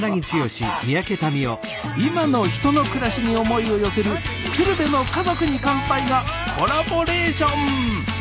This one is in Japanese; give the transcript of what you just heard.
今の人の暮らしに思いを寄せる「鶴瓶の家族に乾杯」がコラボレーション